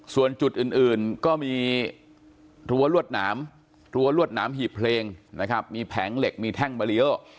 ส่วนจุดอื่นก็มีรัวรวดหนามหีบเพลงมีแผงเหล็กมีแท่งเบรียล